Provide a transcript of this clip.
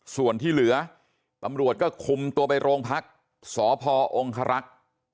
ส่วนที่เหลือตำรวจก็คุมตัวไปโรงพักสพองครักษ์